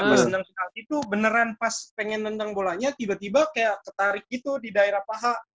gue senang sekali tuh beneran pas pengen nendang bolanya tiba tiba kayak ketarik gitu di daerah paha